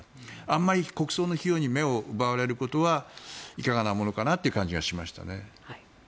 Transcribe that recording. あまり国葬の費用に目を奪われることはいかがなものかなという感じがしましたね。